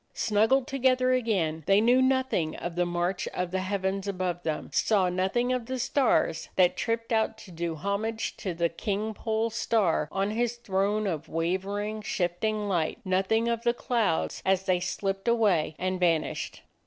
Snug gled together again, they knew nothing of the march of the heavens above them, saw nothing of the stars that tripped out to do homage to the King Pole Star on his throne of wavering, shifting light, nothing of the clouds, as they slipped away and vanished.